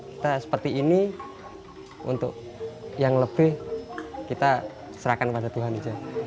kita seperti ini untuk yang lebih kita serahkan kepada tuhan saja